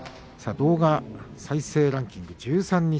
動画再生ランキングです。